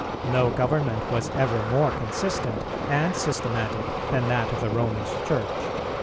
No government was ever more consistent and systematic than that of the Romish Church.